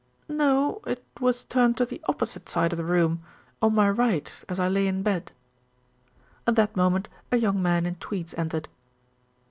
"No, it was turned to the opposite side of the room, on my right as I lay in bed." At that moment a young man in tweeds entered.